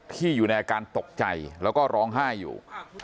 อยู่ในอาการตกใจแล้วก็ร้องไห้อยู่